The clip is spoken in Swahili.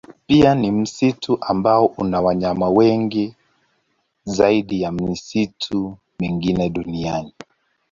Pia ni msitu ambao una wanyama wengi zaidi ya misitu mingine duniani.